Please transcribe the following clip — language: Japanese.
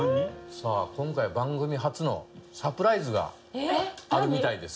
さあ今回番組初のサプライズがあるみたいです。